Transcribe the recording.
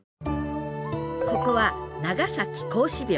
ここは長崎孔子廟。